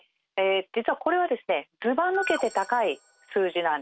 実はこれはですねずばぬけて高い数字なんです。